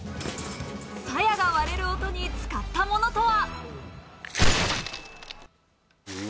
鞘が割れる音に使ったものとは？